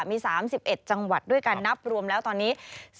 มี๓๑จังหวัดด้วยกันนับรวมแล้วตอนนี้